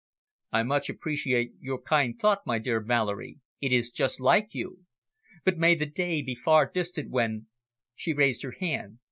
"I much appreciate your kind thought, my dear Valerie; it is just like you. But may the day be far distant when " She raised her hand.